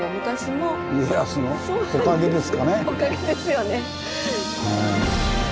おかげですよね！